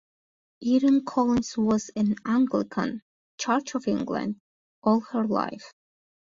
Irene Collins was an Anglican (Church of England) all her life.